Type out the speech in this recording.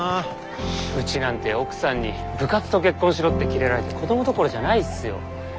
うちなんて奥さんに部活と結婚しろ！ってキレられて子どもどころじゃないっすよ。